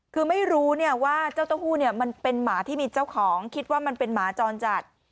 คือไม่รู้ว่าเจ้าเต้าหู้เนี่ยมันเป็นหมาที่มีเจ้าของคิดว่ามันเป็นหมาจรจัด